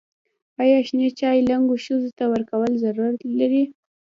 ایا شنې چايي و لنګو ښځو ته ورکول ضرر لري؟